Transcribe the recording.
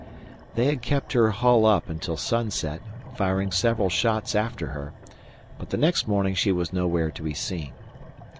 They had kept her hull up until sunset, firing several shots after her, but the next morning she was nowhere to be seen.